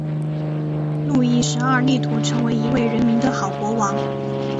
路易十二力图成为一位人民的好国王。